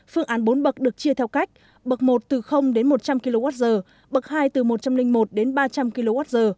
phương án bốn bậc được chia theo cách bậc một từ đến một trăm linh kwh bậc hai từ một trăm linh một đến ba trăm linh kwh